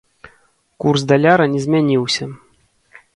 Курс даляра не змяніўся.